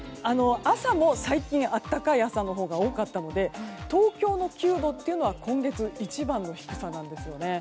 朝も最近暖かい朝のほうが多かったので東京の９度というのは今月一番の低さなんですよね。